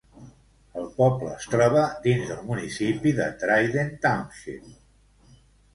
El poble es troba dins del municipi de Dryden Township.